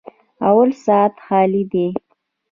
_اول سات خالي دی.